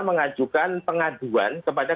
mengajukan pengajuan kepada